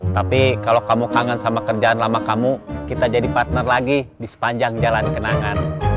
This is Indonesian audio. tapi kalau kamu kangen sama kerjaan lama kamu kita jadi partner lagi di sepanjang jalan kenangan